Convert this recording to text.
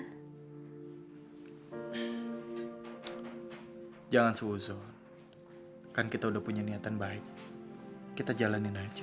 hai jangan sepujuk kan kita udah punya niatan baik kita jalanin aja